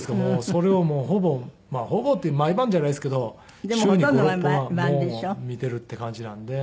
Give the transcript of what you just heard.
それをもうほぼほぼって毎晩じゃないですけど週に５６本はもう見ているっていう感じなんで。